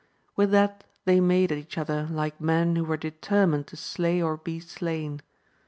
With that they made at each other like men who were determined to slay or be slain.